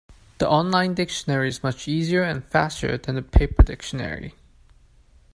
The online dictionary is much easier and faster than the paper dictionary.